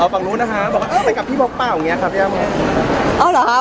ไปกับพี่ป๊อกป้าอย่างนี้ครับ